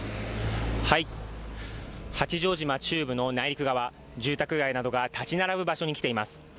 八丈島中部の内陸側、住宅街などが立ち並ぶ場所に来ています。